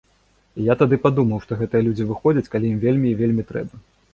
І я тады падумаў, што гэтыя людзі выходзяць, калі ім вельмі і вельмі трэба.